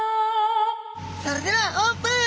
それではオープン！